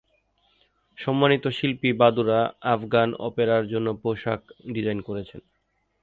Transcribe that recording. সম্মানিত শিল্পী বাদুরা আফগান অপেরার জন্য পোশাক ডিজাইন করেছেন।